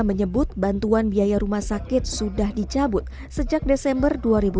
menyebut bantuan biaya rumah sakit sudah dicabut sejak desember dua ribu dua puluh